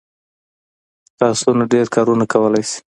لاسونه ډېر کارونه کولی شي